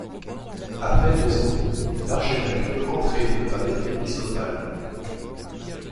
Après deux ans, l'archevêque peut entrer dans le palais épiscopal.